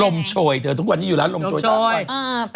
โชยเธอทุกวันนี้อยู่ร้านลมโชยต่อไป